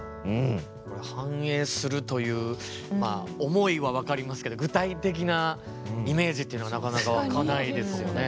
これ、反映するという思いは分かりますけど具体的なイメージっていうのがなかなか湧かないですよね。